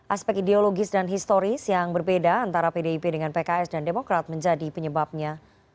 aspek ideologis dan historis yang berbeda antara pdip dengan pks dan demokrat menjadi penyebabnya